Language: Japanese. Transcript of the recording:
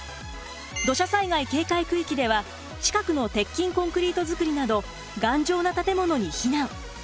土砂災害警戒区域では近くの鉄筋コンクリート造りなど頑丈な建物に避難。